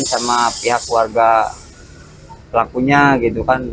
sama pihak keluarga pelakunya gitu kan